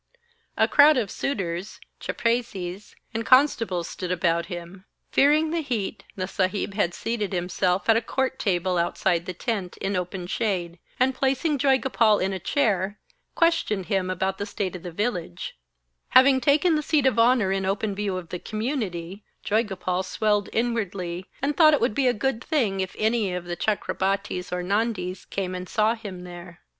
A crowd of suitors, chaprasies, and constables stood about him. Fearing the heat, the Saheb had seated himself at a court table outside the tent, in the open shade, and placing Joygopal in a chair, questioned him about the state of the village. Having taken the seat of honour in open view of the community, Joygopal swelled inwardly, and thought it would be a good thing if any of the Chakrabartis or Nandis came and saw him there. A chapkan is a long coat. Turban. Servants.